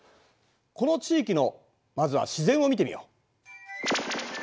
この地域のまずは自然を見てみよう。